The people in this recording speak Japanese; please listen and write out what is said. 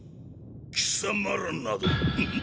貴様らなどん？